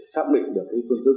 sắp định được phương thức